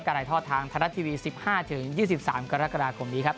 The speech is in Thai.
การรายทอดทางไทยรัฐทีวีสิบห้าถึงยี่สิบสามกรกฎาคมนี้ครับ